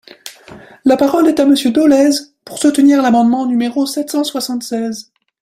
La parole est à Monsieur Dolez, pour soutenir l’amendement numéro sept cent soixante-seize.